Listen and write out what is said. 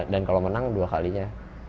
dan kalau menang dua kalinya